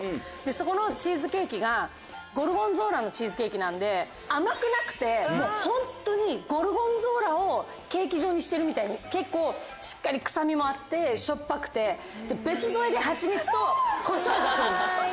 そこのチーズケーキがゴルゴンゾーラのチーズケーキなんで甘くなくてホントにゴルゴンゾーラをケーキ状にしてるみたいに結構しっかり臭みもあってしょっぱくて別添えではちみつとコショウがあるんです。